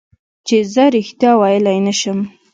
چې زه رښتیا ویلی نه شم.